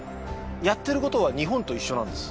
やってることは日本と一緒なんです